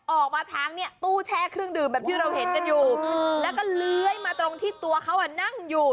โอ้โหนี่คุณดูงู